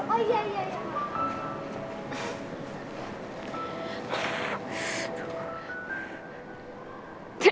kita ga punya admiral korean too